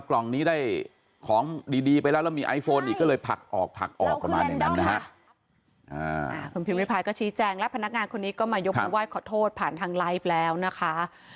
คุณพิพิพิพายก็ชี้แจงแล้วพนักงานคนนี้ก็มายกคำว่าขอโทษผ่านทางไลฟ์แล้วนะคะ